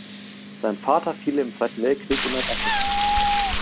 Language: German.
Sein Vater fiel im Zweiten Weltkrieg in Nordafrika.